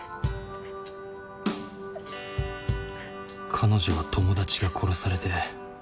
彼女は友達が殺されて。